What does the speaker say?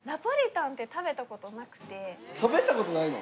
食べた事ないの？